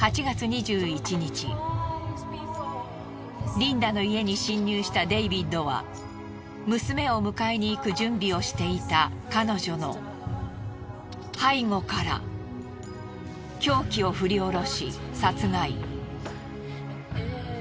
リンダの家に侵入したデイビッドは娘を迎えにいく準備をしていた彼女の背後から凶器を振り下ろし殺害。